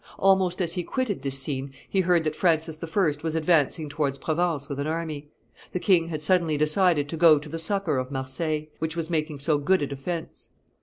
Almost as he quitted this scene he heard that Francis I. was advancing towards Provence with an army. The king had suddenly decided to go to the succor of Marseilles, which was making so good a defence.